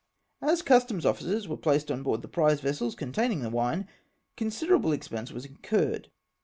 As customs officers were placed on board the prize vessels containing the wine, considerable expense was incurred.